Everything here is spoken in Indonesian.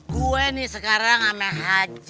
gue nih sekarang aneh haji